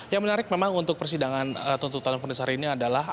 yang menarik memang untuk persidangan tuntutan fonis hari ini adalah